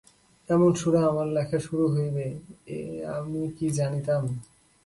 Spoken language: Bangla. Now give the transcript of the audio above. এমন সুরে আমার লেখা শুরু হইবে এ আমি কি জানিতাম।